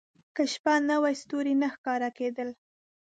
• که شپه نه وای، ستوري نه ښکاره کېدل.